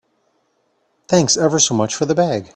Thanks ever so much for the bag.